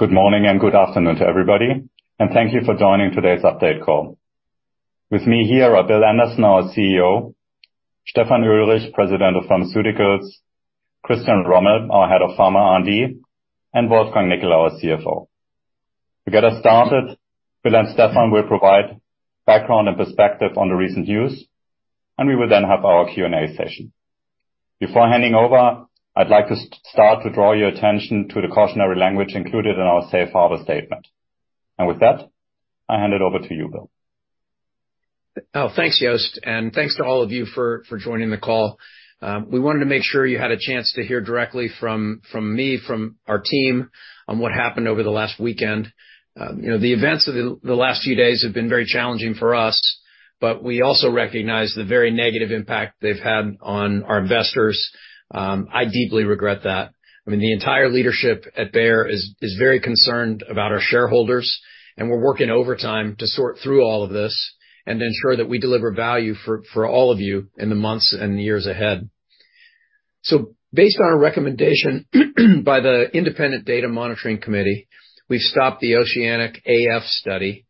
Good morning and good afternoon to everybody, and thank you for joining today's update call. With me here are Bill Anderson, our CEO; Stefan Oelrich, President of Pharmaceuticals; Christian Rommel, our Head of Pharma R&D; and Wolfgang Nickl, our CFO. To get us started, Bill and Stefan will provide background and perspective on the recent news, and we will then have our Q&A session. Before handing over, I'd like to start to draw your attention to the cautionary language included in our safe harbor statement. With that, I hand it over to you, Bill. Oh, thanks, Jost, and thanks to all of you for joining the call. We wanted to make sure you had a chance to hear directly from me, from our team, on what happened over the last weekend. You know, the events of the last few days have been very challenging for us, but we also recognize the very negative impact they've had on our investors. I deeply regret that. I mean, the entire leadership at Bayer is very concerned about our shareholders, and we're working overtime to sort through all of this and ensure that we deliver value for all of you in the months and years ahead. So based on a recommendation by the Independent Data Monitoring Committee, we've stopped the OCEANIC-AF study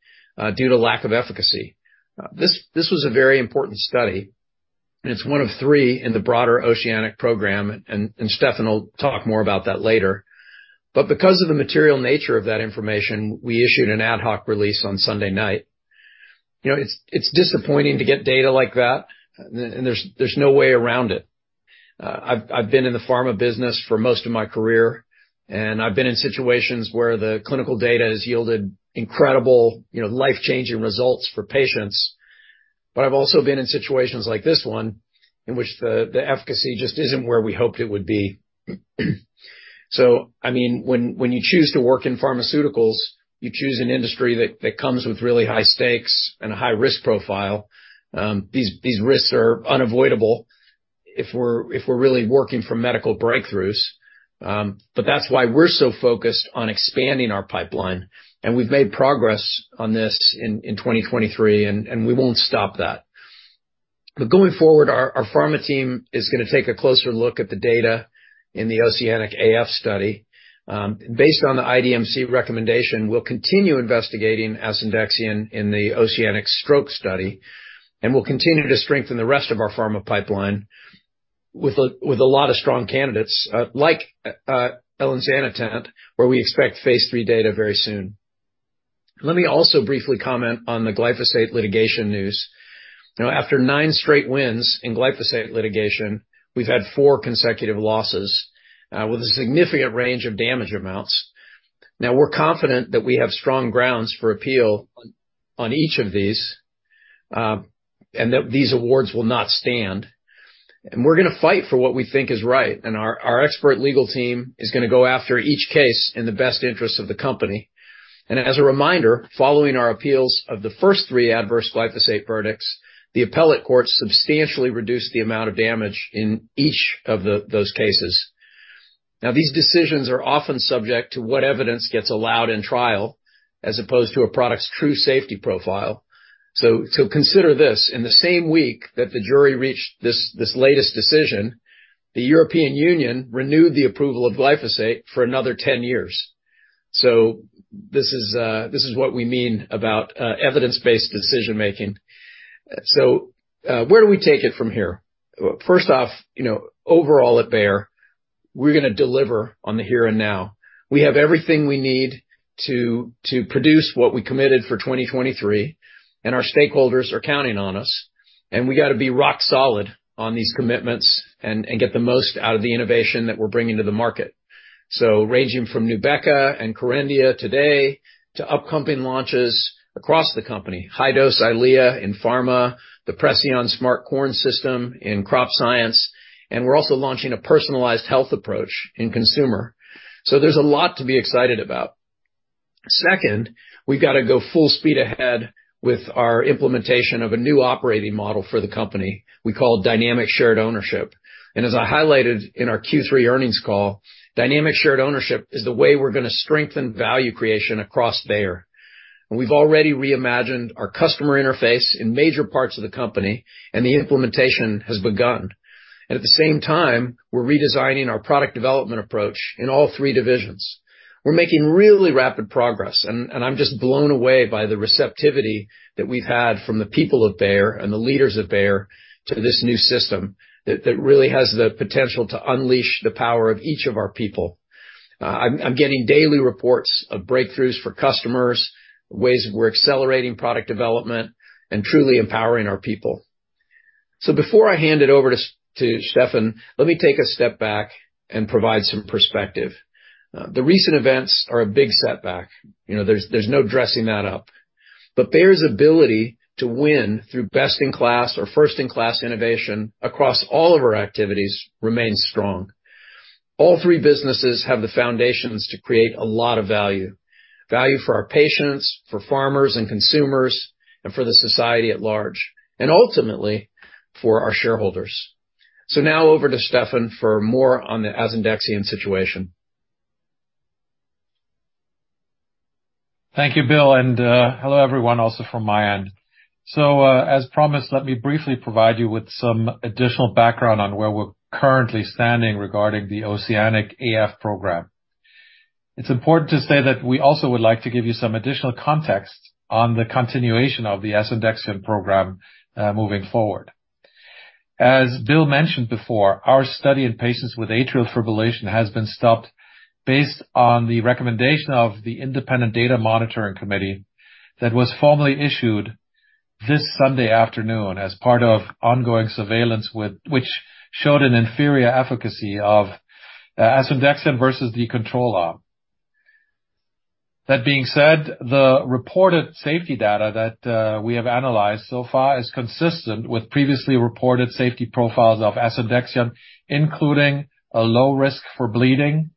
due to lack of efficacy. This was a very important study, and it's one of three in the broader OCEANIC program, and Stefan will talk more about that later. But because of the material nature of that information, we issued an ad hoc release on Sunday night. You know, it's disappointing to get data like that, and there's no way around it. I've been in the pharma business for most of my career, and I've been in situations where the clinical data has yielded incredible, you know, life-changing results for patients. But I've also been in situations like this one, in which the efficacy just isn't where we hoped it would be. So, I mean, when you choose to work in pharmaceuticals, you choose an industry that comes with really high stakes and a high risk profile. These risks are unavoidable if we're really working for medical breakthroughs. But that's why we're so focused on expanding our pipeline, and we've made progress on this in 2023, and we won't stop that. But going forward, our pharma team is gonna take a closer look at the data in the OCEANIC-AF study. Based on the IDMC recommendation, we'll continue investigating Asundexian in the OCEANIC-STROKE study, and we'll continue to strengthen the rest of our pharma pipeline with a lot of strong candidates, like elinzanetant, where we expect phase III data very soon. Let me also briefly comment on the glyphosate litigation news. You know, after 9 straight wins in glyphosate litigation, we've had 4 consecutive losses, with a significant range of damage amounts. Now, we're confident that we have strong grounds for appeal on each of these, and that these awards will not stand. We're gonna fight for what we think is right, and our expert legal team is gonna go after each case in the best interest of the company. As a reminder, following our appeals of the first 3 adverse glyphosate verdicts, the appellate court substantially reduced the amount of damage in each of those cases. Now, these decisions are often subject to what evidence gets allowed in trial, as opposed to a product's true safety profile. So consider this: In the same week that the jury reached this latest decision, the European Union renewed the approval of glyphosate for another 10 years. So this is what we mean about evidence-based decision-making. So, where do we take it from here? First off, you know, overall at Bayer, we're gonna deliver on the here and now. We have everything we need to produce what we committed for 2023, and our stakeholders are counting on us, and we gotta be rock solid on these commitments and get the most out of the innovation that we're bringing to the market. So ranging from Nubeqa and Kerendia today to upcoming launches across the company, high-dose Eylea in pharma, the Preceon Smart Corn System in crop science, and we're also launching a personalized health approach in consumer. So there's a lot to be excited about. Second, we've got to go full speed ahead with our implementation of a new operating model for the company we call Dynamic Shared Ownership. And as I highlighted in our Q3 earnings call, Dynamic Shared Ownership is the way we're gonna strengthen value creation across Bayer. We've already reimagined our customer interface in major parts of the company, and the implementation has begun. And at the same time, we're redesigning our product development approach in all three divisions. We're making really rapid progress, and I'm just blown away by the receptivity that we've had from the people at Bayer and the leaders at Bayer to this new system that really has the potential to unleash the power of each of our people. I'm getting daily reports of breakthroughs for customers, ways we're accelerating product development and truly empowering our people. So before I hand it over to Stefan, let me take a step back and provide some perspective. The recent events are a big setback. You know, there's no dressing that up. But Bayer's ability to win through best-in-class or first-in-class innovation across all of our activities remains strong. All three businesses have the foundations to create a lot of value for our patients, for farmers and consumers, and for the society at large, and ultimately, for our shareholders. So now over to Stefan for more on the Asundexian situation.... Thank you, Bill, and, hello everyone also from my end. So, as promised, let me briefly provide you with some additional background on where we're currently standing regarding the OCEANIC-AF program. It's important to say that we also would like to give you some additional context on the continuation of the Asundexian program, moving forward. As Bill mentioned before, our study in patients with atrial fibrillation has been stopped based on the recommendation of the Independent Data Monitoring Committee that was formally issued this Sunday afternoon as part of ongoing surveillance with which showed an inferior efficacy of, Asundexian versus the control arm. That being said, the reported safety data that we have analyzed so far is consistent with previously reported safety profiles of Asundexian, including a low risk for bleeding.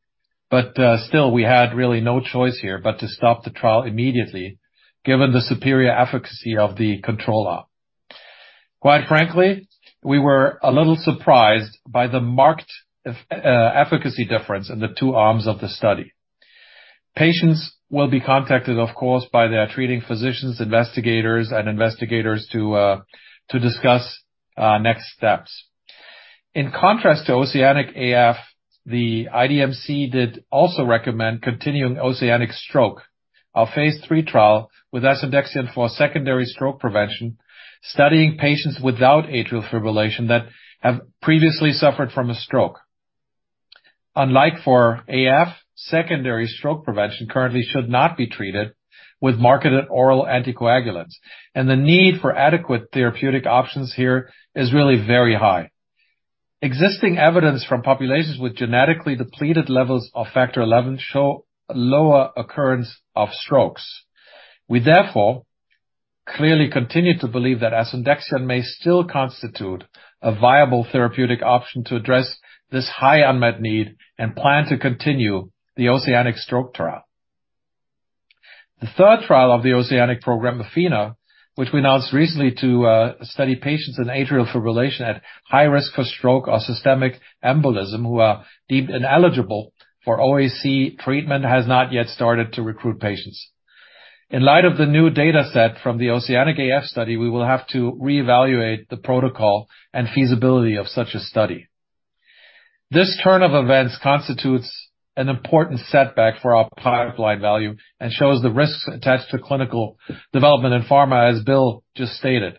But, still, we had really no choice here but to stop the trial immediately, given the superior efficacy of the control arm. Quite frankly, we were a little surprised by the marked efficacy difference in the two arms of the study. Patients will be contacted, of course, by their treating physicians, investigators, and investigators to discuss next steps. In contrast to OCEANIC-AF, the IDMC did also recommend continuing OCEANIC-STROKE, our phase three trial with Asundexian for secondary stroke prevention, studying patients without atrial fibrillation that have previously suffered from a stroke. Unlike for AF, secondary stroke prevention currently should not be treated with marketed oral anticoagulants, and the need for adequate therapeutic options here is really very high. Existing evidence from populations with genetically depleted levels of Factor XI show a lower occurrence of strokes. We, therefore, clearly continue to believe that Asundexian may still constitute a viable therapeutic option to address this high unmet need and plan to continue the OCEANIC-STROKE trial. The third trial of the OCEANIC program, ATHENA, which we announced recently to study patients in atrial fibrillation at high risk for stroke or systemic embolism, who are deemed ineligible for OAC treatment, has not yet started to recruit patients. In light of the new data set from the OCEANIC-AF study, we will have to reevaluate the protocol and feasibility of such a study. This turn of events constitutes an important setback for our pipeline value and shows the risks attached to clinical development in pharma, as Bill just stated.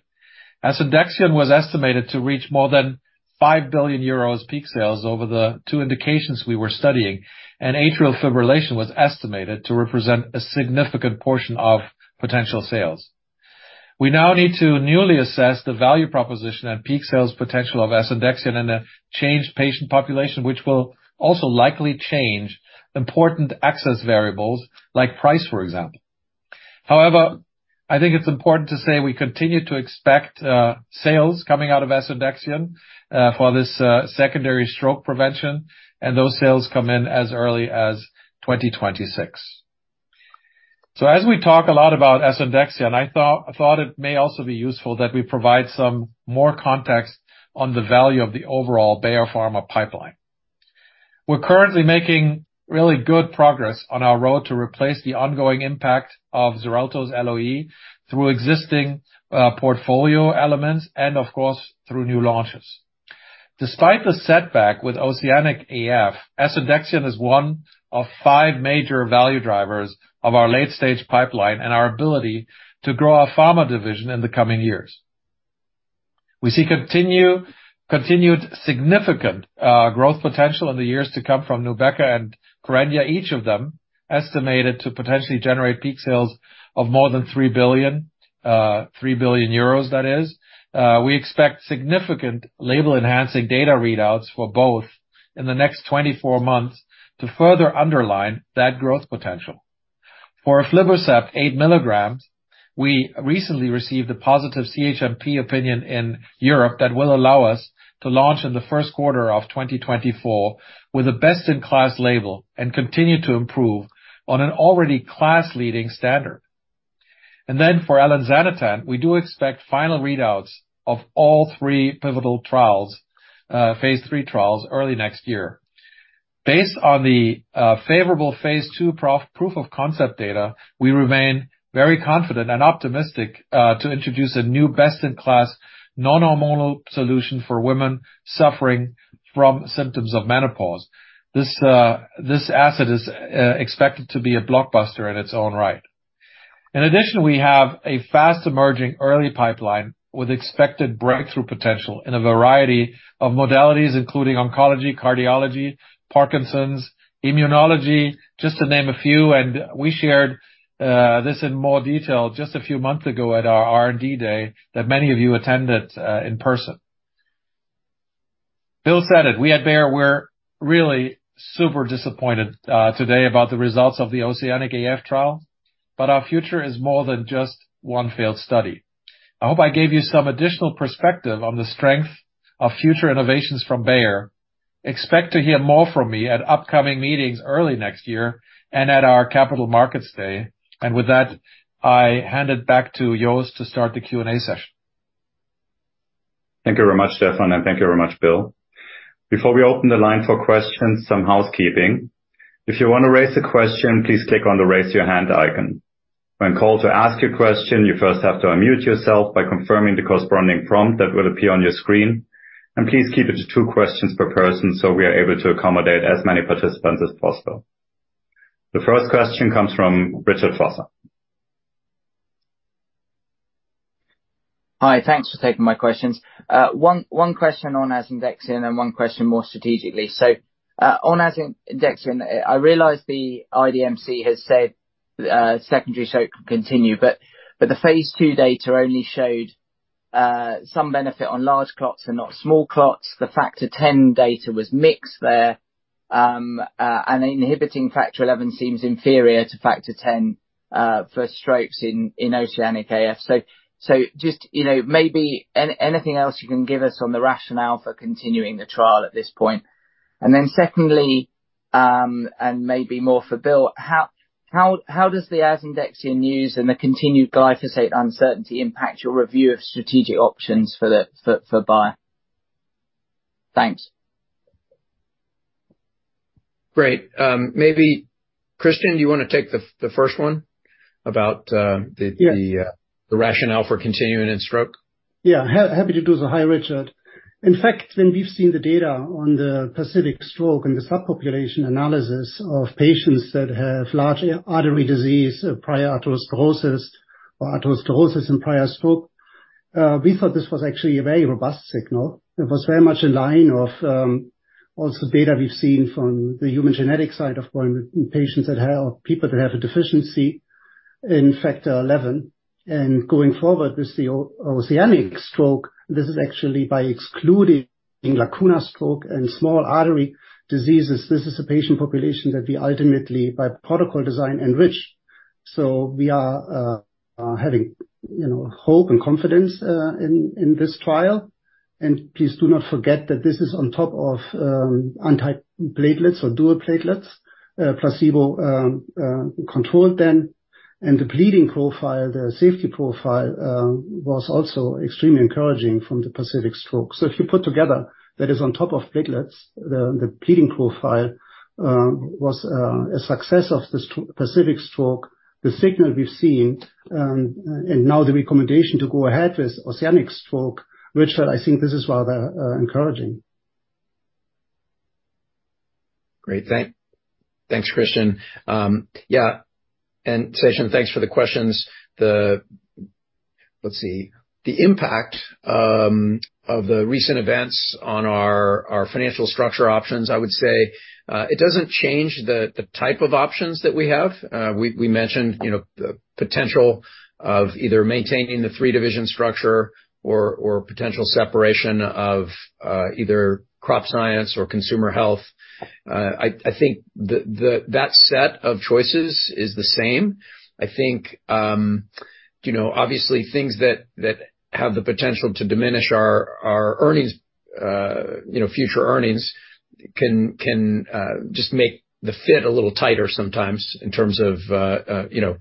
Asundexian was estimated to reach more than 5 billion euros peak sales over the two indications we were studying, and atrial fibrillation was estimated to represent a significant portion of potential sales. We now need to newly assess the value proposition and peak sales potential of Asundexian in a changed patient population, which will also likely change important access variables, like price, for example. However, I think it's important to say we continue to expect sales coming out of Asundexian for this secondary stroke prevention, and those sales come in as early as 2026. So as we talk a lot about Asundexian, I thought it may also be useful that we provide some more context on the value of the overall Bayer Pharma pipeline. We're currently making really good progress on our road to replace the ongoing impact of Xarelto's LOE through existing, portfolio elements and, of course, through new launches. Despite the setback with OCEANIC-AF, Asundexian is one of five major value drivers of our late-stage pipeline and our ability to grow our pharma division in the coming years. We see continued significant, growth potential in the years to come from NUBEQA and KERENDIA, each of them estimated to potentially generate peak sales of more than 3 billion, that is. We expect significant label-enhancing data readouts for both in the next 24 months to further underline that growth potential. For aflibercept 8 mg, we recently received a positive CHMP opinion in Europe that will allow us to launch in the first quarter of 2024 with the best-in-class label and continue to improve on an already class-leading standard. And then for elinzanetant, we do expect final readouts of all three pivotal trials, phase 3 trials, early next year. Based on the favorable phase 2 proof of concept data, we remain very confident and optimistic to introduce a new best-in-class, non-hormonal solution for women suffering from symptoms of menopause. This, this asset is expected to be a blockbuster in its own right. In addition, we have a fast-emerging early pipeline with expected breakthrough potential in a variety of modalities, including oncology, cardiology, Parkinson's, immunology, just to name a few. And we shared this in more detail just a few months ago at our R&D day, that many of you attended, in person. Bill said it, we at Bayer, we're really super disappointed today about the results of the OCEANIC-AF trial, but our future is more than just one failed study. I hope I gave you some additional perspective on the strength of future innovations from Bayer. Expect to hear more from me at upcoming meetings early next year and at our Capital Markets Day. And with that, I hand it back to Jost to start the Q&A session.... Thank you very much Stefan, and thank you very much, Bill. Before we open the line for questions, some housekeeping. If you want to raise a question, please click on the Raise Your Hand icon. When called to ask your question, you first have to unmute yourself by confirming the corresponding prompt that will appear on your screen, and please keep it to two questions per person so we are able to accommodate as many participants as possible. The first question comes from Richard Vosser. Hi, thanks for taking my questions. One question on Asundexian and one question more strategically. So, on Asundexian, I realize the IDMC has said secondary stroke can continue, but the phase 2 data only showed some benefit on large clots and not small clots. The Factor X data was mixed there. And inhibiting Factor XI seems inferior to Factor X for strokes in OCEANIC-AF. So just, you know, maybe anything else you can give us on the rationale for continuing the trial at this point? And then secondly, and maybe more for Bill, how does the Asundexian news and the continued glyphosate uncertainty impact your review of strategic options for Bayer? Thanks. Great. Maybe Christian, do you want to take the first one about, the- Yeah. The rationale for continuing in stroke? Yeah, happy to do so. Hi, Richard. In fact, when we've seen the data on the PACIFIC-STROKE and the subpopulation analysis of patients that have large artery disease, prior atherosclerosis or atherosclerosis and prior stroke, we thought this was actually a very robust signal. It was very much in line of also data we've seen from the human genetic side of point, in patients that have or people that have a deficiency in Factor XI. And going forward with the OCEANIC-STROKE, this is actually by excluding lacunar stroke and small artery diseases. This is a patient population that we ultimately, by protocol design, enrich. So we are having, you know, hope and confidence in this trial. And please do not forget that this is on top of antiplatelet or dual antiplatelet, placebo-controlled then. And the bleeding profile, the safety profile, was also extremely encouraging from the PACIFIC-STROKE. So if you put together that is on top of platelets, the bleeding profile, was a success of the PACIFIC-STROKE, the signal we've seen, and now the recommendation to go ahead with OCEANIC-STROKE, which I think this is rather encouraging. Great, thanks, Christian. Yeah, and Sachin, thanks for the questions. The impact of the recent events on our financial structure options, I would say, it doesn't change the type of options that we have. We mentioned, you know, the potential of either maintaining the three division structure or potential separation of either Crop Science or Consumer Health. I think that set of choices is the same. I think, you know, obviously things that have the potential to diminish our earnings, you know, future earnings, can just make the fit a little tighter sometimes in terms of, you know,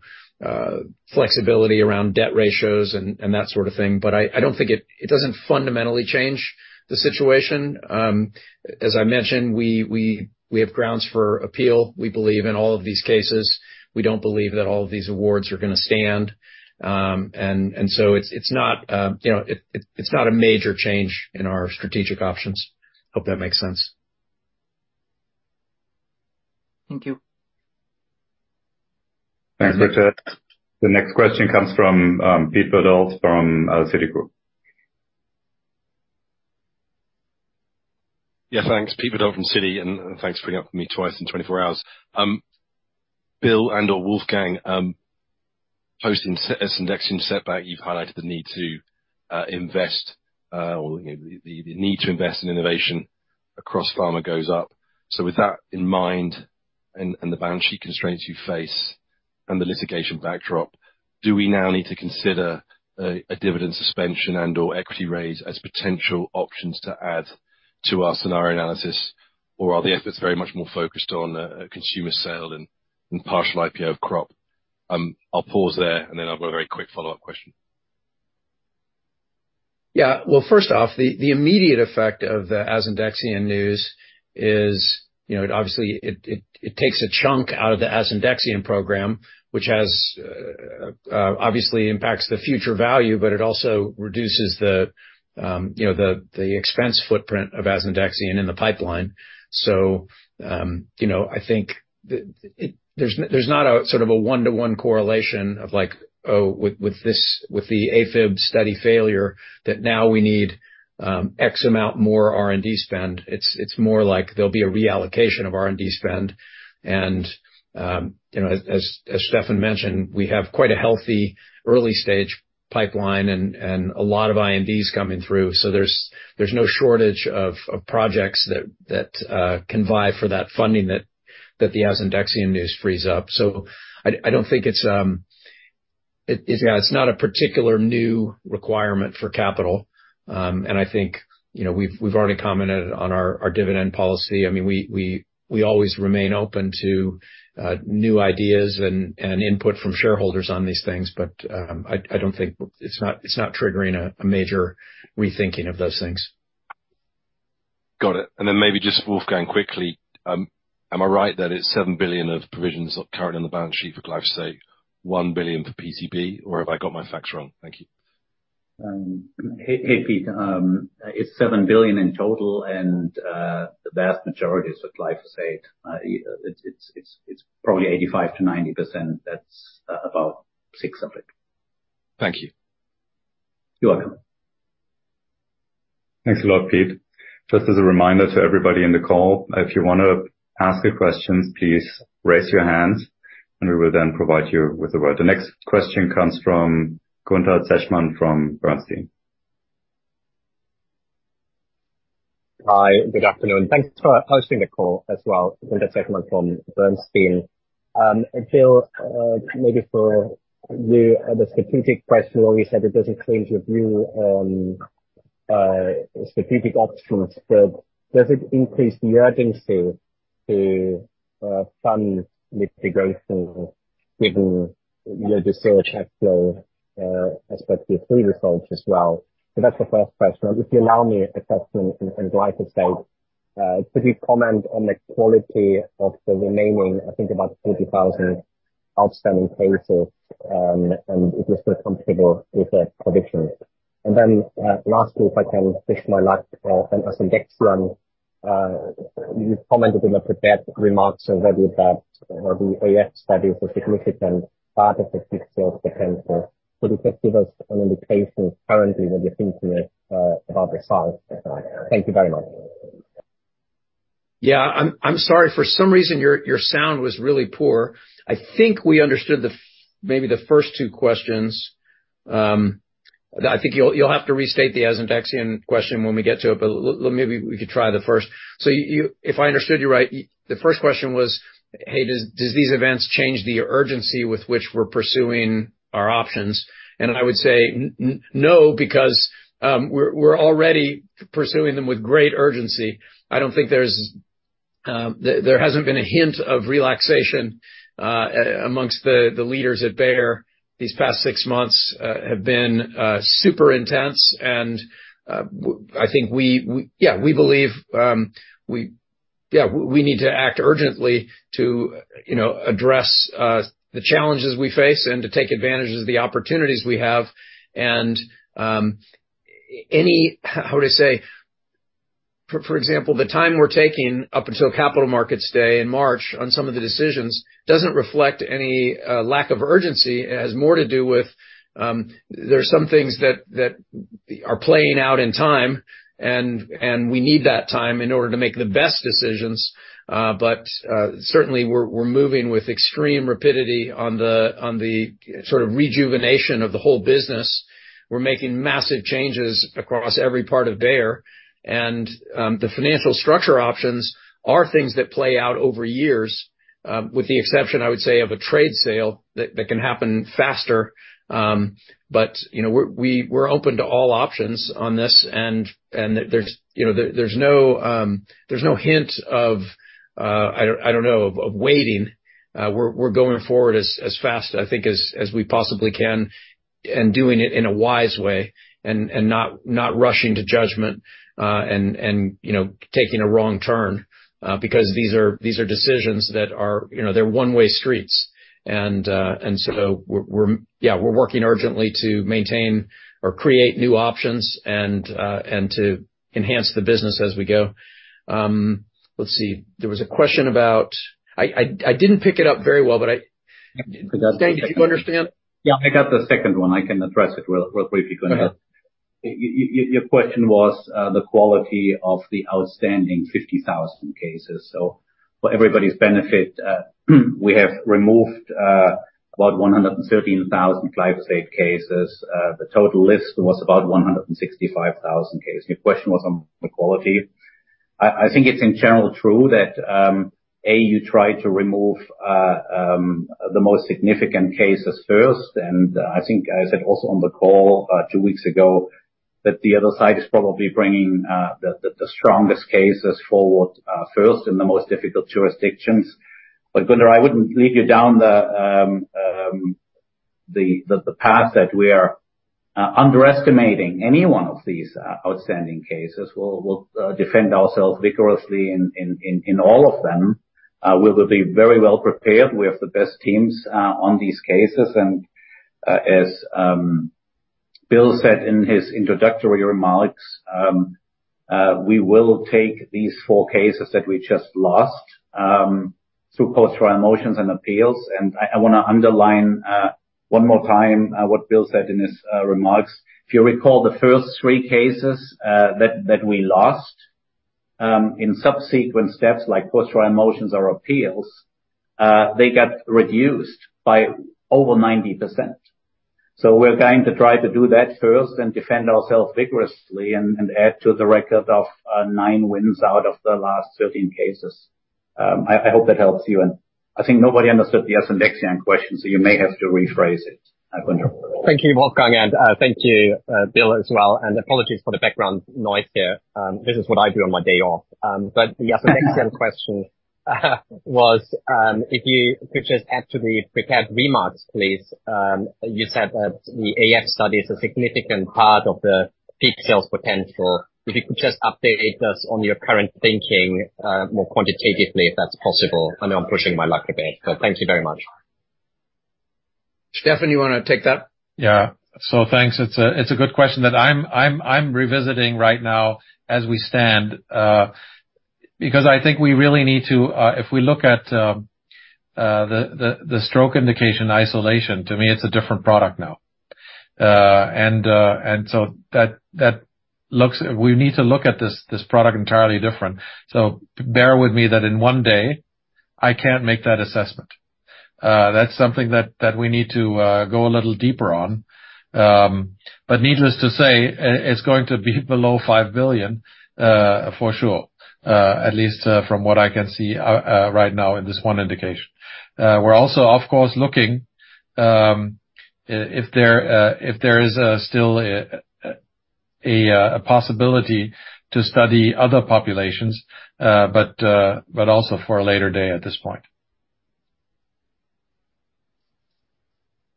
flexibility around debt ratios and that sort of thing. But I don't think it doesn't fundamentally change the situation. As I mentioned, we have grounds for appeal. We believe in all of these cases. We don't believe that all of these awards are going to stand. And so it's not, you know, it's not a major change in our strategic options. Hope that makes sense. Thank you. Thanks, Richard. The next question comes from Peter Verdult from Citigroup. Yeah, thanks. Peter Verdul from Citi, and thanks for bringing up with me twice in 24 hours. Bill and Wolfgang, post Asundexian setback, you've highlighted the need to invest or you know the need to invest in innovation across pharma goes up. So with that in mind, and the balance sheet constraints you face and the litigation backdrop, do we now need to consider a dividend suspension and/or equity raise as potential options to add to our scenario analysis? Or are the efforts very much more focused on a consumer sale and partial IPO crop? I'll pause there, and then I've got a very quick follow-up question. Yeah. Well, first off, the immediate effect of the Asundexian news is, you know, obviously it takes a chunk out of the Asundexian program, which obviously impacts the future value, but it also reduces, you know, the expense footprint of Asundexian in the pipeline. So, you know, I think there's not a sort of a one-to-one correlation of like, oh, with this, with the AFib study failure, that now we need X amount more R&D spend. It's more like there'll be a reallocation of R&D spend. And, you know, as Stefan mentioned, we have quite a healthy early stage pipeline and a lot of INDs coming through. So there's no shortage of projects that can vie for that funding that the Asundexian news frees up. So I don't think it's yeah, it's not a particular new requirement for capital. And I think you know, we've already commented on our dividend policy. I mean, we always remain open to new ideas and input from shareholders on these things, but I don't think it's not triggering a major rethinking of those things. Got it. And then maybe just Wolfgang, quickly, am I right that it's 7 billion of provisions current on the balance sheet for glyphosate, 1 billion for PCB, or have I got my facts wrong? Thank you. Hey, Pete. It's 7 billion in total, and the vast majority is with glyphosate. It's probably 85% to 90. That's about 6 billion of it. Thank you. You're welcome. Thanks a lot, Pete. Just as a reminder to everybody in the call, if you wanna ask a question, please raise your hand, and we will then provide you with the word. The next question comes from Gunther Zechmann, from Bernstein. Hi, good afternoon. Thanks for hosting the call as well. Gunther Zechmann from Bernstein. Bill, maybe for you, the strategic question, you always said it doesn't change your view on strategic options, but does it increase the urgency to fund litigation, given your research actual expected free results as well? So that's the first question. If you allow me a second on glyphosate, could you comment on the quality of the remaining, I think about 50000 outstanding cases, and if you're still comfortable with the prediction? And then, lastly, if I can switch my light on Asundexian, you commented in the prepared remarks already that the AF study is a significant part of the history of the pharma. So could you just give us an indication currently where you're thinking about the size? Thank you very much. Yeah, I'm sorry. For some reason, your sound was really poor. I think we understood maybe the first two questions. I think you'll have to restate the Asundexian question when we get to it, but maybe we could try the first. So you-- if I understood you right, the first question was, "Hey, does these events change the urgency with which we're pursuing our options?" And I would say, no, because we're already pursuing them with great urgency. I don't think there's... There hasn't been a hint of relaxation amongst the leaders at Bayer. These past six months have been super intense, and I think we believe we need to act urgently to, you know, address the challenges we face and to take advantage of the opportunities we have, and, how to say? For example, the time we're taking up until Capital Markets Day in March on some of the decisions doesn't reflect any lack of urgency. It has more to do with, there are some things that are playing out in time, and we need that time in order to make the best decisions. But certainly we're moving with extreme rapidity on the sort of rejuvenation of the whole business. We're making massive changes across every part of Bayer, and the financial structure options are things that play out over years, with the exception, I would say, of a trade sale that can happen faster. But, you know, we're open to all options on this, and there's, you know, there's no hint of, I don't know, of waiting. We're going forward as fast, I think, as we possibly can, and doing it in a wise way, and not rushing to judgment, and, you know, taking a wrong turn, because these are decisions that are, you know, they're one-way streets. And so we're... Yeah, we're working urgently to maintain or create new options and, and to enhance the business as we go. Let's see. There was a question about... I didn't pick it up very well, but I... Did you understand? Yeah, I got the second one. I can address it real, real quickly. Go ahead. Your question was the quality of the outstanding 50000 cases. So for everybody's benefit, we have removed about 113,000 glyphosate cases. The total list was about 165,000 cases. Your question was on the quality. I think it's in general true that you try to remove the most significant cases first, and I think I said also on the call two weeks ago, that the other side is probably bringing the strongest cases forward first in the most difficult jurisdictions. But Gunther, I wouldn't lead you down the path that we are underestimating any one of these outstanding cases. We'll defend ourselves vigorously in all of them. We will be very well prepared. We have the best teams on these cases, and as Bill said in his introductory remarks, we will take these four cases that we just lost through post-trial motions and appeals. I wanna underline one more time what Bill said in his remarks. If you recall, the first three cases that we lost in subsequent steps, like post-trial motions or appeals, they got reduced by over 90%. So we're going to try to do that first and defend ourselves vigorously and add to the record of nine wins out of the last 13 cases.... I hope that helps you, and I think nobody understood the Asundexian question, so you may have to rephrase it, Gunther. Thank you, Wolfgang, and thank you, Bill, as well, and apologies for the background noise here. This is what I do on my day off. But the Asundexian question was, if you could just add to the prepared remarks, please. You said that the AF study is a significant part of the peak sales potential. If you could just update us on your current thinking, more quantitatively, if that's possible. I know I'm pushing my luck a bit, but thank you very much. Stefan, you wanna take that? Yeah. So thanks. It's a good question that I'm revisiting right now as we stand, because I think we really need to... If we look at the stroke indication isolation, to me, it's a different product now. And so that. We need to look at this product entirely different. So bear with me that in one day, I can't make that assessment. That's something that we need to go a little deeper on. But needless to say, it's going to be below 5 billion, for sure, at least, from what I can see, right now in this one indication. We're also, of course, looking if there is still a possibility to study other populations, but also for a later day, at this point.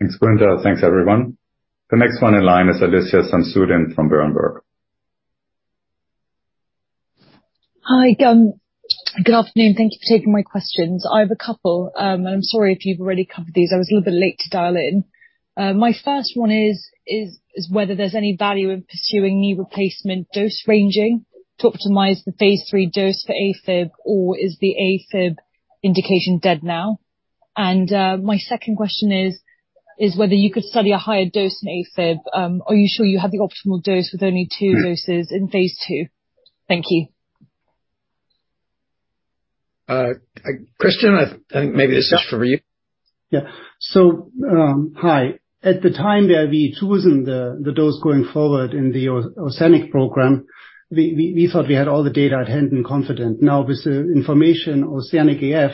Thanks, Gunther. Thanks, everyone. The next one in line is Alicia Sansoudain from Berenberg. Hi, good afternoon. Thank you for taking my questions. I have a couple, and I'm sorry if you've already covered these. I was a little bit late to dial in. My first one is whether there's any value in pursuing knee replacement dose ranging to optimize the Phase 3 dose for AFib, or is the AFib indication dead now? And my second question is whether you could study a higher dose in AFib. Are you sure you have the optimal dose with only two doses in Phase 2? Thank you. Christian, I think maybe this is for you. Yeah. So, hi. At the time that we chosen the dose going forward in the OCEANIC program, we thought we had all the data at hand and confident. Now, with the information OCEANIC-AF,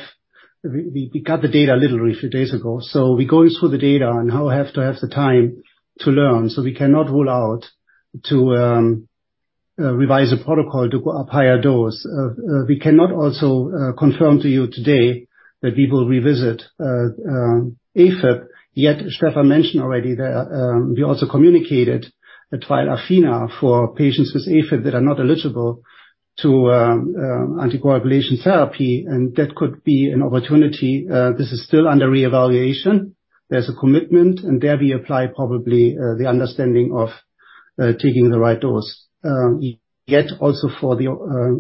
we got the data literally a few days ago, so we're going through the data and now have to have the time to learn. So we cannot rule out to revise the protocol to go up higher dose. We cannot also confirm to you today that we will revisit AFib, yet Stefan mentioned already that we also communicated the trial ATHENA, for patients with AFib that are not eligible to anticoagulation therapy, and that could be an opportunity. This is still under reevaluation. There's a commitment, and there we apply probably the understanding of taking the right dose. Yet, also, for the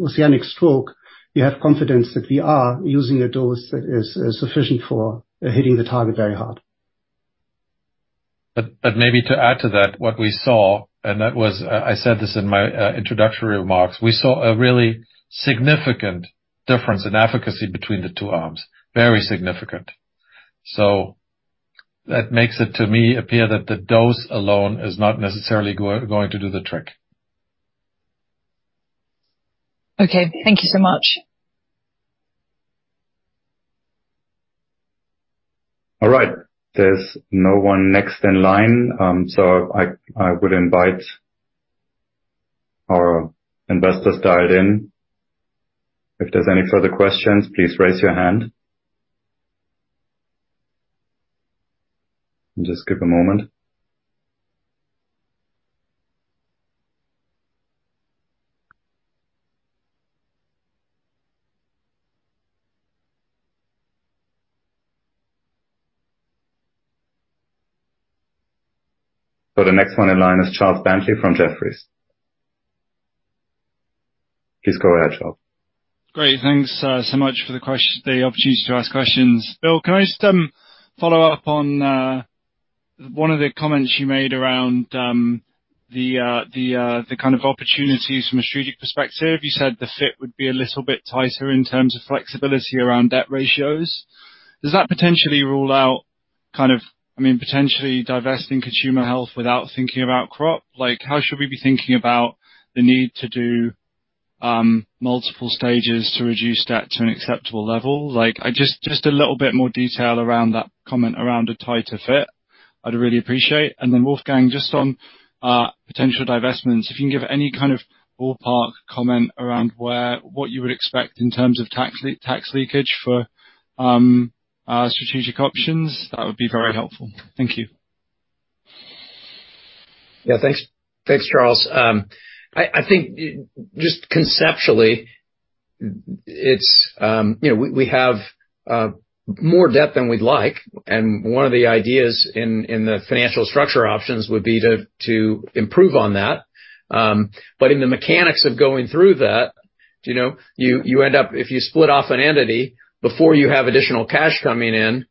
OCEANIC-STROKE, we have confidence that we are using a dose that is sufficient for hitting the target very hard. But maybe to add to that, what we saw, and that was, I said this in my introductory remarks, we saw a really significant difference in efficacy between the two arms, very significant. So that makes it, to me, appear that the dose alone is not necessarily going to do the trick. Okay, thank you so much. All right. There's no one next in line, so I would invite our investors dialed in, if there's any further questions, please raise your hand. Just give a moment. So the next one in line is Charles Bentley from Jefferies. Please go ahead, Charles. Great. Thanks so much for the opportunity to ask questions. Bill, can I just follow up on one of the comments you made around the kind of opportunities from a strategic perspective? You said the fit would be a little bit tighter in terms of flexibility around debt ratios. Does that potentially rule out kind of, I mean, potentially divesting Consumer Health without thinking about crop? Like, how should we be thinking about the need to do multiple stages to reduce debt to an acceptable level? Like, I just a little bit more detail around that comment, around a tighter fit, I'd really appreciate. And then, Wolfgang, just on potential divestments, if you can give any kind of ballpark comment around where, what you would expect in terms of tax leakage for strategic options, that would be very helpful. Thank you. Yeah, thanks. Thanks, Charles. I think, just conceptually, it's, you know, we have more debt than we'd like, and one of the ideas in the financial structure options would be to improve on that. But in the mechanics of going through that, you know, you end up, if you split off an entity before you have additional cash coming in,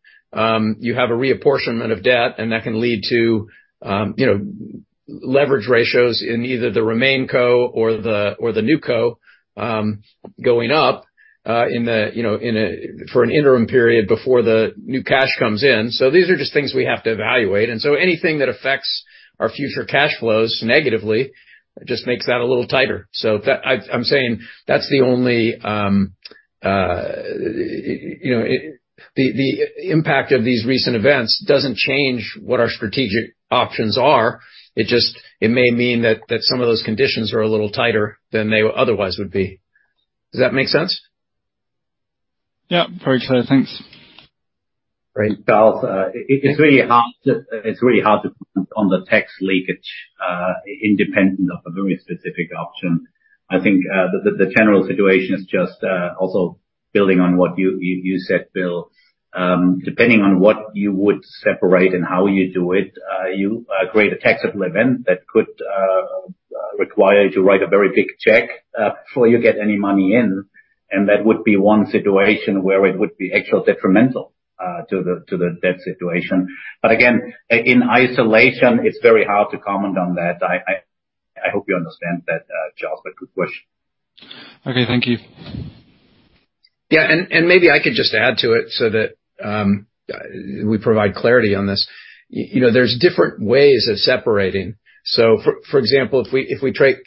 you have a reapportionment of debt, and that can lead to, you know, leverage ratios in either the remain co or the new co going up. In the, you know, in a, for an interim period before the new cash comes in. So these are just things we have to evaluate, and so anything that affects our future cash flows negatively just makes that a little tighter. So, I'm saying that's the only. You know, the impact of these recent events doesn't change what our strategic options are. It just, it may mean that some of those conditions are a little tighter than they otherwise would be. Does that make sense? Yeah, very clear. Thanks. Great, Charles. It's really hard to, on the tax leakage, independent of a very specific option. I think, the general situation is just, also building on what you said, Bill. Depending on what you would separate and how you do it, you create a taxable event that could require you to write a very big check before you get any money in, and that would be one situation where it would be actual detrimental to the debt situation. But again, in isolation, it's very hard to comment on that. I hope you understand that, Charles, but good question. Okay, thank you. Yeah, and maybe I could just add to it so that we provide clarity on this. You know, there's different ways of separating. So for example, if we take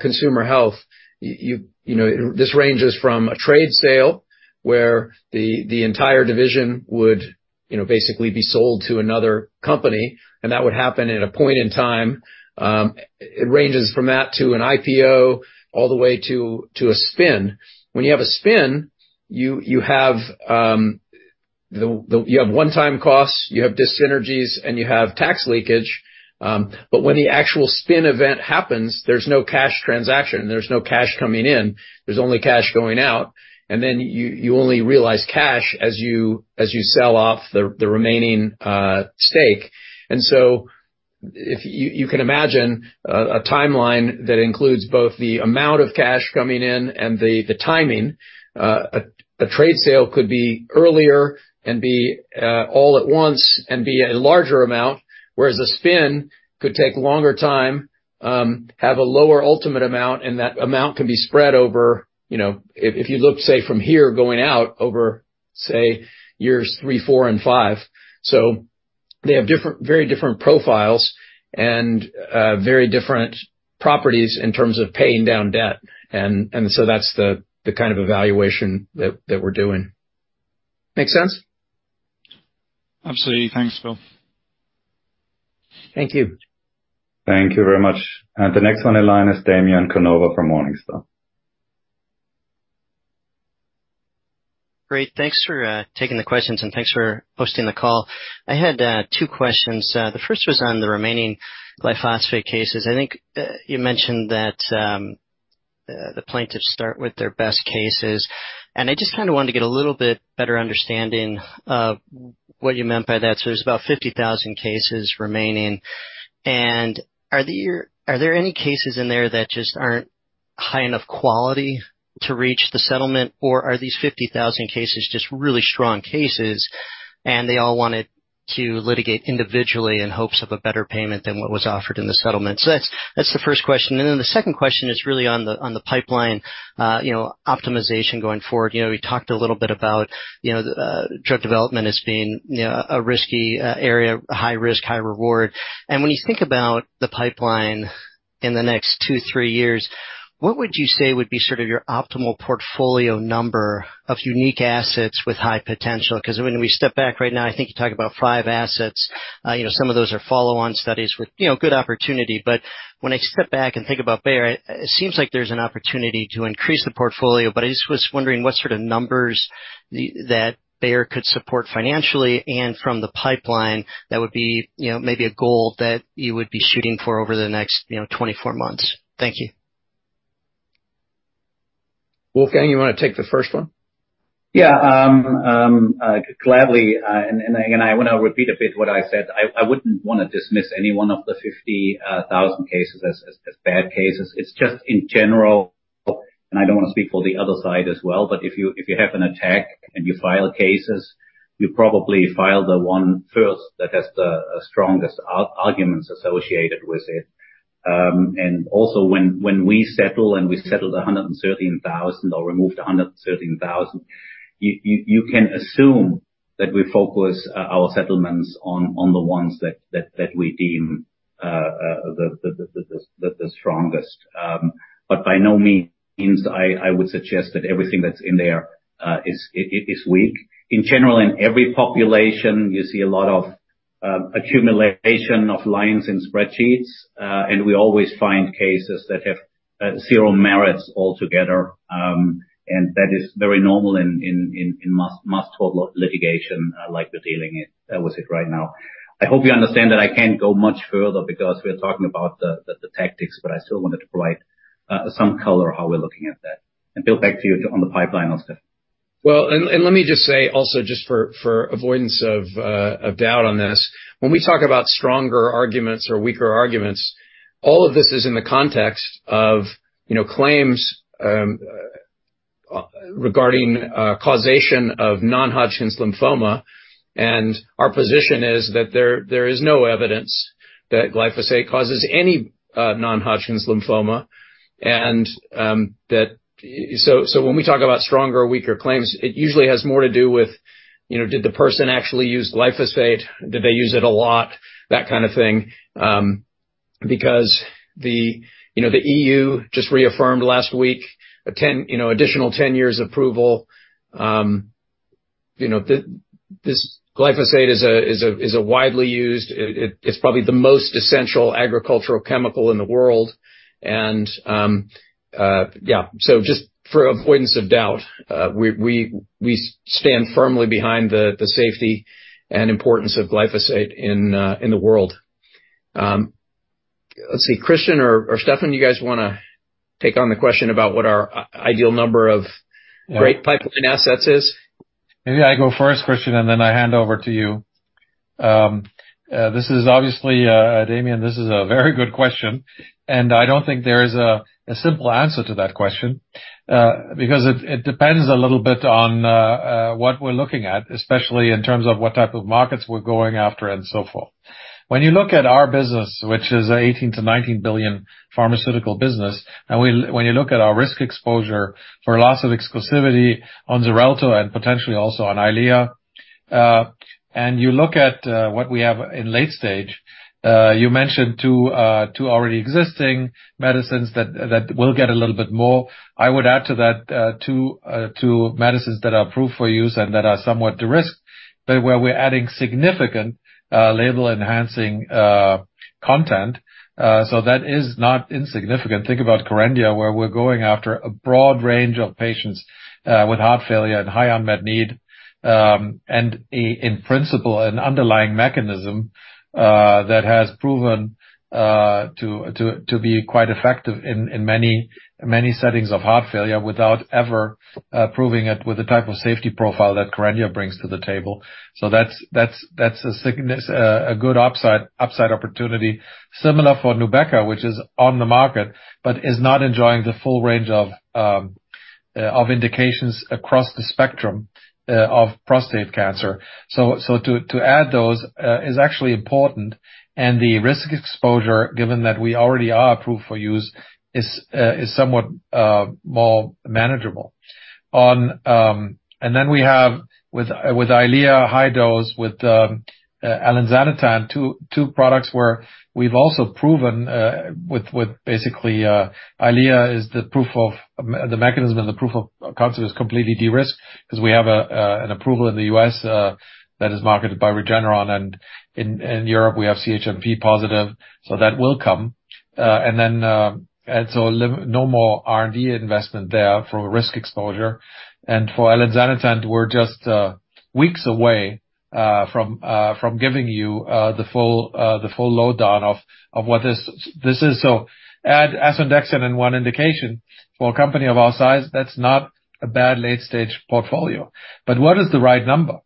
Consumer Health, you know, this ranges from a trade sale, where the entire division would, you know, basically be sold to another company, and that would happen at a point in time. It ranges from that to an IPO all the way to a spin. When you have a spin, you have one-time costs, you have dyssynergies, and you have tax leakage. But when the actual spin event happens, there's no cash transaction. There's no cash coming in. There's only cash going out, and then you only realize cash as you sell off the remaining stake. And so if you can imagine a timeline that includes both the amount of cash coming in and the timing, a trade sale could be earlier and be all at once and be a larger amount, whereas a spin could take longer time, have a lower ultimate amount, and that amount can be spread over, you know... If you look, say, from here, going out over, say, years 3, 4 and 5. So they have different - very different profiles and very different properties in terms of paying down debt. And so that's the kind of evaluation that we're doing. Make sense? Absolutely. Thanks, Bill. Thank you. Thank you very much. The next one in line is Damien Conover from Morningstar. Great. Thanks for taking the questions, and thanks for hosting the call. I had 2 questions. The first was on the remaining glyphosate cases. I think you mentioned that the plaintiffs start with their best cases, and I just kind of wanted to get a little bit better understanding of what you meant by that. So there's about 50,000 cases remaining, and are there any cases in there that just aren't high enough quality to reach the settlement, or are these 50,000 cases just really strong cases, and they all wanted to litigate individually in hopes of a better payment than what was offered in the settlement? So that's the first question. And then the second question is really on the pipeline, you know, optimization going forward. You know, we talked a little bit about, you know, drug development as being, you know, a risky, area, high risk, high reward. When you think about the pipeline in the next 2, 3 years, what would you say would be sort of your optimal portfolio number of unique assets with high potential? Because when we step back right now, I think you talk about 5 assets. You know, some of those are follow-on studies with, you know, good opportunity. When I step back and think about Bayer, it, it seems like there's an opportunity to increase the portfolio, but I just was wondering what sort of numbers the, that Bayer could support financially, and from the pipeline, that would be, you know, maybe a goal that you would be shooting for over the next, you know, 24 months. Thank you. Wolfgang, you want to take the first one? Yeah. Gladly, and again, I want to repeat a bit what I said. I wouldn't want to dismiss any one of the 50,000 cases as bad cases. It's just in general, and I don't want to speak for the other side as well, but if you have an attack and you file cases, you probably file the one first that has the strongest arguments associated with it. And also, when we settle, and we settled 113,000, or removed 113,000, you can assume that we focus our settlements on the ones that we deem the strongest. But by no means I would suggest that everything that's in there is weak. In general, in every population, you see a lot of accumulation of lines in spreadsheets, and we always find cases that have zero merits altogether. And that is very normal in mass tort litigation, like we're dealing with it right now. I hope you understand that I can't go much further because we're talking about the tactics, but I still wanted to provide some color on how we're looking at that. And Bill, back to you on the pipeline stuff. Well, let me just say, also, just for avoidance of doubt on this, when we talk about stronger arguments or weaker arguments, all of this is in the context of, you know, claims regarding causation of non-Hodgkin's lymphoma. And our position is that there is no evidence that glyphosate causes any non-Hodgkin's lymphoma, and that—so when we talk about stronger or weaker claims, it usually has more to do with, you know, did the person actually use glyphosate? Did they use it a lot? That kind of thing. Because the, you know, the EU just reaffirmed last week a 10, you know, additional 10 years approval. You know, this glyphosate is a widely used... It's probably the most essential agricultural chemical in the world, and so just for avoidance of doubt, we stand firmly behind the safety and importance of glyphosate in the world. Christian or Stefan, you guys wanna take on the question about what our ideal number of great pipeline assets is? Maybe I go first, Christian, and then I hand over to you. This is obviously, Damian, this is a very good question, and I don't think there is a simple answer to that question, because it depends a little bit on what we're looking at, especially in terms of what type of markets we're going after and so forth. When you look at our business, which is 18 to 19 billion pharmaceutical business, and when you look at our risk exposure for loss of exclusivity on Xarelto and potentially also on EYLEA, and you look at what we have in late stage, you mentioned two already existing medicines that will get a little bit more. I would add to that, two medicines that are approved for use and that are somewhat de-risked, but where we're adding significant label-enhancing content, so that is not insignificant. Think about KERENDIA, where we're going after a broad range of patients with heart failure and high unmet need, and, in principle, an underlying mechanism that has proven to be quite effective in many settings of heart failure without ever proving it with the type of safety profile that KERENDIA brings to the table. So that's significant, a good upside opportunity. Similar for NUBEQA, which is on the market, but is not enjoying the full range of indications across the spectrum of prostate cancer. So, to add those is actually important, and the risk exposure, given that we already are approved for use, is somewhat more manageable. And then we have with EYLEA high dose, with elinzanetant, two products where we've also proven with basically EYLEA is the proof of the mechanism and the proof of concept is completely de-risked, because we have an approval in the U.S. that is marketed by Regeneron, and in Europe we have CHMP positive, so that will come. And then and so no more R&D investment there for risk exposure. And for elinzanetant, we're just weeks away from giving you the full lowdown of what this is. So add Asundexian in one indication. For a company of our size, that's not a bad late stage portfolio. But what is the right number?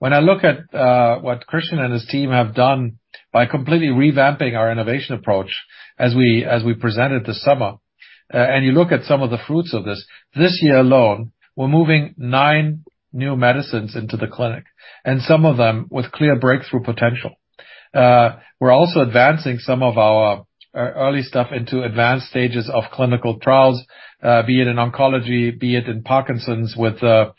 When I look at what Christian and his team have done by completely revamping our innovation approach as we presented this summer, and you look at some of the fruits of this year alone, we're moving nine new medicines into the clinic, and some of them with clear breakthrough potential. We're also advancing some of our early stuff into advanced stages of clinical trials, be it in oncology, be it in Parkinson's with our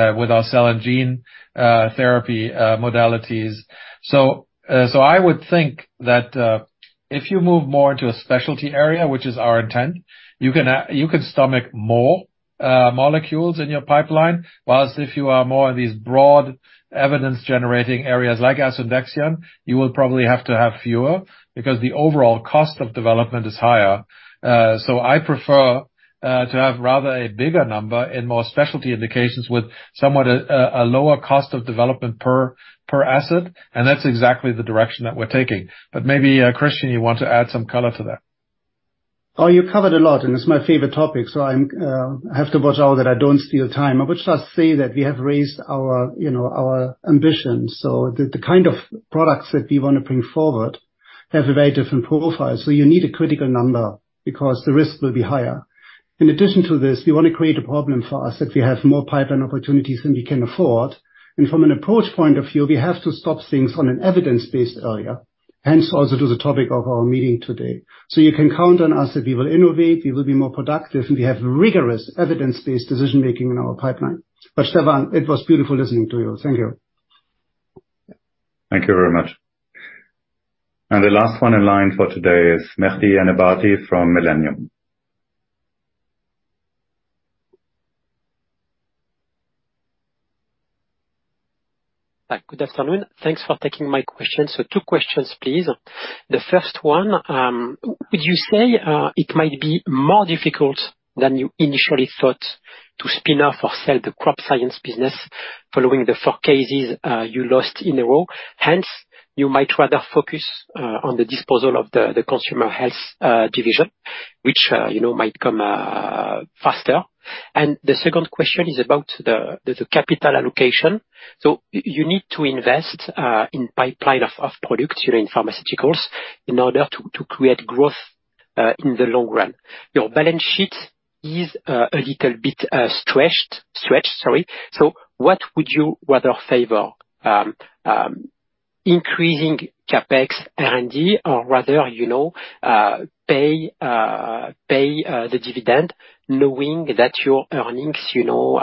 cell and gene therapy modalities. So, I would think that, if you move more into a specialty area, which is our intent, you can stomach more molecules in your pipeline, while if you are more in these broad evidence-generating areas like Asundexian, you will probably have to have fewer, because the overall cost of development is higher. So I prefer to have rather a bigger number in more specialty indications with somewhat a lower cost of development per asset, and that's exactly the direction that we're taking. But maybe, Christian, you want to add some color to that? Oh, you covered a lot, and it's my favorite topic, so I'm, I have to watch out that I don't steal time. I would just say that we have raised our, you know, our ambitions, so the, the kind of products that we want to bring forward have a very different profile, so you need a critical number, because the risk will be higher. In addition to this, we want to create a problem for us, if we have more pipeline opportunities than we can afford, and from an approach point of view, we have to stop things on an evidence-based area, hence also to the topic of our meeting today. So you can count on us that we will innovate, we will be more productive, and we have rigorous evidence-based decision making in our pipeline. But Stefan, it was beautiful listening to you. Thank you. Thank you very much. The last one in line for today is Mehdi Ennebati from Millennium. Hi, good afternoon. Thanks for taking my question. So 2 questions, please. The first one, would you say, it might be more difficult than you initially thought to spin off or sell the crop science business following the four cases you lost in a row? Hence, you might rather focus on the disposal of the consumer health division, which, you know, might come faster. And the second question is about the capital allocation. So you need to invest in pipeline of products, you know, in pharmaceuticals, in order to create growth in the long run, your balance sheet is a little bit stretched, sorry. So what would you rather favor? Increasing CapEx R&D, or rather, you know, pay the dividend, knowing that your earnings, you know,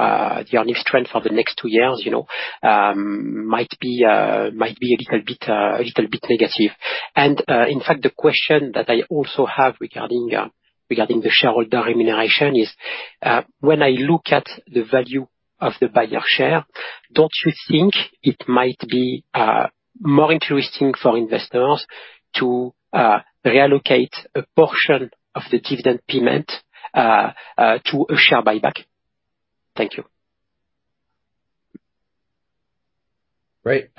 the earnings trend for the next 2 years, you know, might be a little bit negative? In fact, the question that I also have regarding the shareholder remuneration is, when I look at the value of the Bayer share, don't you think it might be more interesting for investors to reallocate a portion of the dividend payment to a share buyback? Thank you. Right.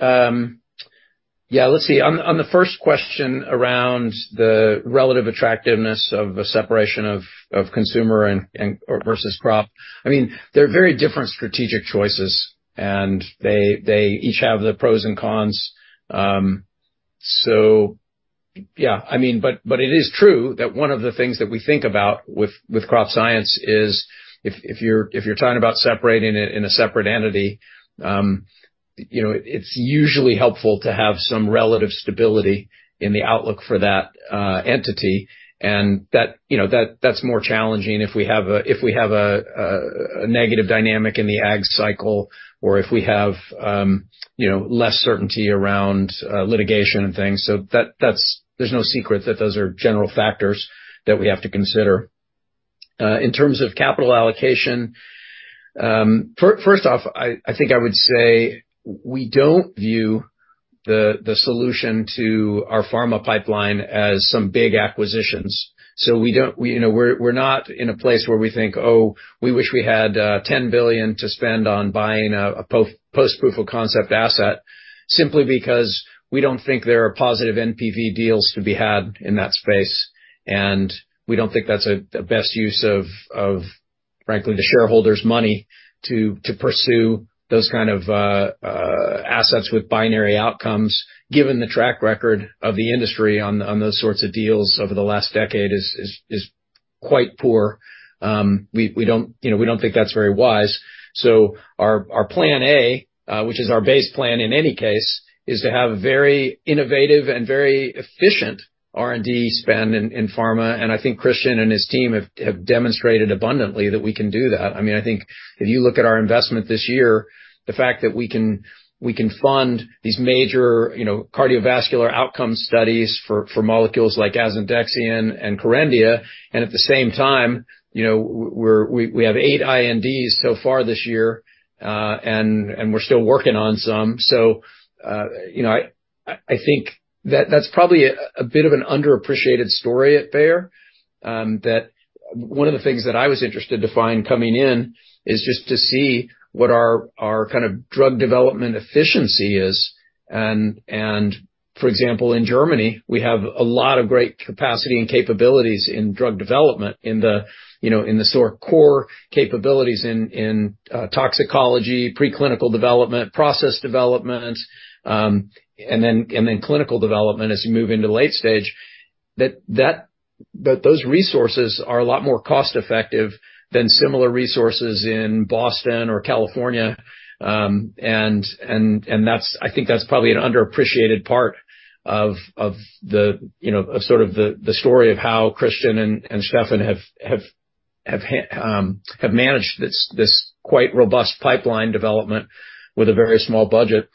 Yeah, let's see. On the first question around the relative attractiveness of a separation of consumer and or versus crop. I mean, they're very different strategic choices, and they each have their pros and cons. So yeah, I mean, but it is true that one of the things that we think about with crop science is if you're talking about separating it in a separate entity, you know, it's usually helpful to have some relative stability in the outlook for that entity. And that, you know, that's more challenging if we have a negative dynamic in the ag cycle or if we have, you know, less certainty around litigation and things. So that's... There's no secret that those are general factors that we have to consider. In terms of capital allocation, first, first off, I think I would say we don't view the solution to our pharma pipeline as some big acquisitions. So we don't... We, you know, we're not in a place where we think, "Oh, we wish we had 10 billion to spend on buying a post-proof of concept asset," simply because we don't think there are positive NPV deals to be had in that space. And we don't think that's the best use of, frankly, the shareholders' money to pursue those kind of assets with binary outcomes, given the track record of the industry on those sorts of deals over the last decade is quite poor. We don't, you know, we don't think that's very wise. So our plan A, which is our base plan in any case, is to have very innovative and very efficient R&D spend in pharma. And I think Christian and his team have demonstrated abundantly that we can do that. I mean, I think if you look at our investment this year, the fact that we can fund these major, you know, cardiovascular outcome studies for molecules like Asundexian and Corvidia, and at the same time, you know, we have 8 INDs so far this year, and we're still working on some. So, you know, I think that that's probably a bit of an underappreciated story at Bayer. That one of the things that I was interested to find coming in is just to see what our kind of drug development efficiency is. And for example, in Germany, we have a lot of great capacity and capabilities in drug development in the, you know, in the sort of core capabilities in toxicology, preclinical development, process development, and then clinical development as you move into late stage. Those resources are a lot more cost effective than similar resources in Boston or California. And that's... I think that's probably an underappreciated part of the, you know, of sort of the story of how Christian and Stefan have managed this quite robust pipeline development with a very small budget.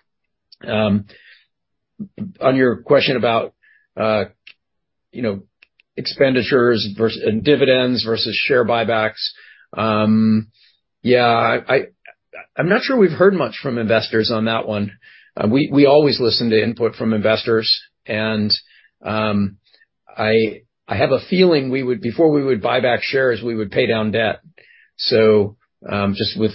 On your question about, you know, expenditures versus dividends versus share buybacks, yeah, I'm not sure we've heard much from investors on that one. We always listen to input from investors, and I have a feeling before we would buy back shares, we would pay down debt. So, just with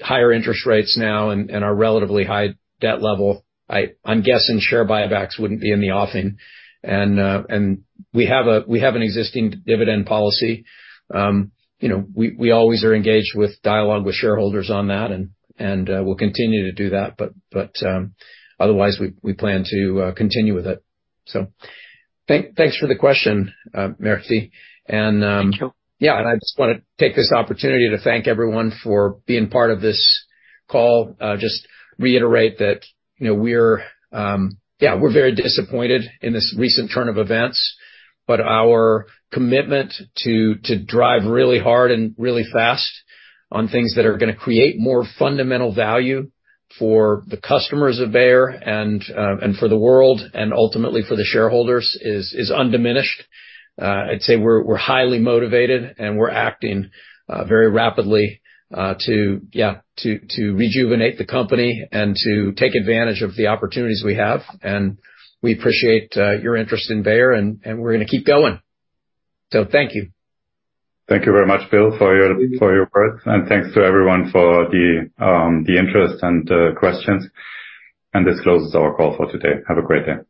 higher interest rates now and our relatively high debt level, I'm guessing share buybacks wouldn't be in the offing. And we have an existing dividend policy. You know, we always are engaged with dialogue with shareholders on that, and we'll continue to do that. But otherwise, we plan to continue with it. So thanks for the question, Marty. Thank you. I just want to take this opportunity to thank everyone for being part of this call. Just reiterate that, you know, we're very disappointed in this recent turn of events, but our commitment to drive really hard and really fast on things that are gonna create more fundamental value for the customers of Bayer and for the world and ultimately for the shareholders is undiminished. I'd say we're highly motivated, and we're acting very rapidly to rejuvenate the company and to take advantage of the opportunities we have. And we appreciate your interest in Bayer, and we're gonna keep going. So thank you. Thank you very much, Bill, for your words, and thanks to everyone for the interest and questions. This closes our call for today. Have a great day.